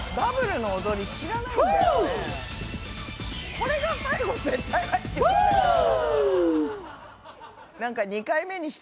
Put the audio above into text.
これが最後絶対入ってくる。